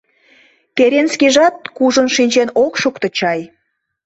Керенскийжат кужун шинчен ок шукто чай!